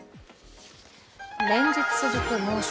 連日続く猛暑。